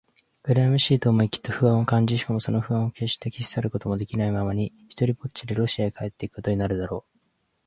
うらやましいと思い、きっと不満を感じ、しかもその不満をけっして消し去ることもできないままに、ひとりぽっちでロシアへ帰っていくことになるだろう。